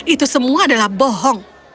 itu semua adalah bohong